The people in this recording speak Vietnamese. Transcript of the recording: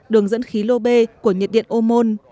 đường dẫn khí lô bê của nhiệt điện ô môn